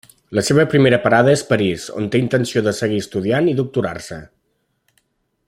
La seva primera parada és París on té intenció de seguir estudiant i doctorar-se.